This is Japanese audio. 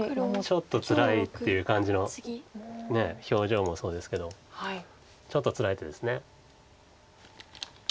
ちょっとつらいっていう感じの表情もそうですけどちょっとつらい手です。